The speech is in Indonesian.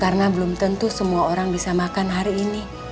karena belum tentu semua orang bisa makan hari ini